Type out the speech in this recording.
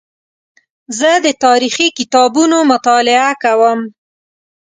زه د تاریخي کتابونو مطالعه کوم.